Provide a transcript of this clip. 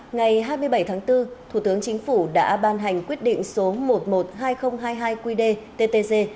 ngày hai mươi bảy tháng bốn thủ tướng chính phủ đã ban hành quyết định số một trăm một mươi hai nghìn hai mươi hai qdttg